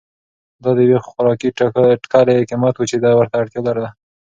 دا د یوې خوراکي ټکلې قیمت و چې ده ورته اړتیا لرله.